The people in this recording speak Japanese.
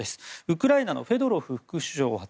ウクライナのフェドロフ副首相は